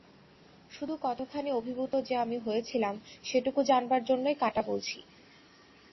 শুধু কতখানি অভিভূত যে আমি হয়েছিলাম সেটুকু জানবার জন্যই কাটা বলছি।